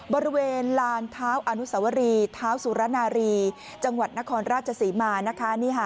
บริเวณลานเท้าอนุสวรีเท้าสุรนารีจังหวัดนครราชศรีมานะคะ